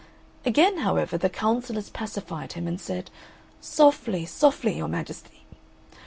Again, however, the Councillors pacified him and said, "Softly, softly, your Majesty!